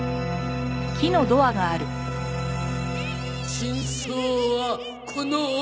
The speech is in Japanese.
真相はこの奥。